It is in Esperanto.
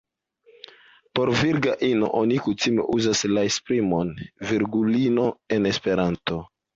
Por virga ino oni kutime uzas la esprimon "virgulino" en Esperanto.